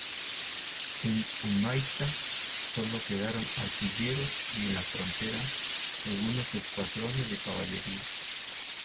En Humaitá solo quedaron artilleros y en la frontera algunos escuadrones de caballería.